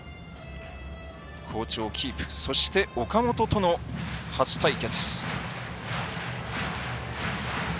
好調をキープそして岡本との初対決。